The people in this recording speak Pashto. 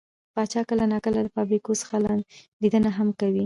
پاچا کله نا کله له فابريکو څخه ليدنه هم کوي .